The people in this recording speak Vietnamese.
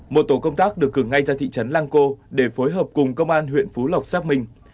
một tổ công tác được cử ngay ra thị trấn lang co để phối hợp cùng công an huyện phú lộc xác minh